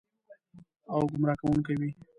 او ګمراه کوونکې وي.